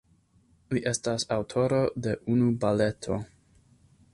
Li estas aŭtoro de unu baleto.